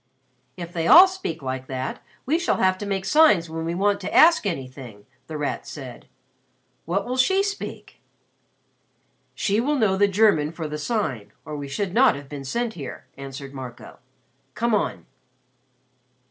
"If they all speak like that, we shall have to make signs when we want to ask anything," The Rat said. "What will she speak?" "She will know the German for the Sign or we should not have been sent here," answered Marco. "Come on."